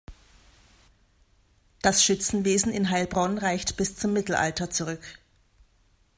Das Schützenwesen in Heilbronn reicht bis zum Mittelalter zurück.